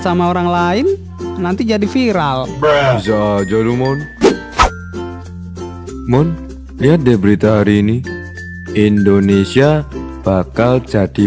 sama orang lain nanti jadi viral berasa jodoh mon mon lihat deh berita hari ini indonesia bakal jadi